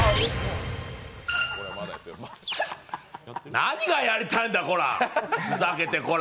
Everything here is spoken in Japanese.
何がやりたいたんだ、コラ！